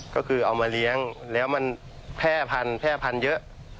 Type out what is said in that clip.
ก็คือเอามาเลี้ยงแล้วมันแพร่พันเยอะ